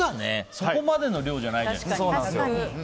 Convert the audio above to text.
そこまでの量じゃないじゃない。